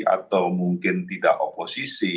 atau mungkin tidak oposisi